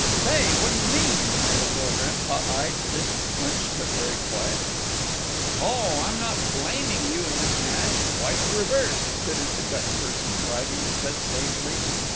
"Say, what do you mean?" demanded Bill Wrenn, hot eyed, fists clenched, but very quiet. "Oh, I'm not blaming you and Miss Nash—quite the reverse!" tittered the Gutch person, wagging his head sagely.